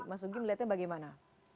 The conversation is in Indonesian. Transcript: mas nugi melihatnya bagaimana